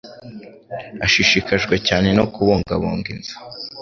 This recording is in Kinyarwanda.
Ashishikajwe cyane no kubungabunga inzu.